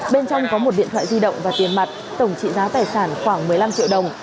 bên trong có một điện thoại di động và tiền mặt tổng trị giá tài sản khoảng một mươi năm triệu đồng